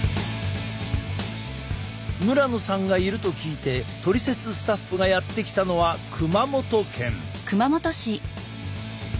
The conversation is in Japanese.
村野さんがいると聞いて「トリセツ」スタッフがやって来たのは熊本県。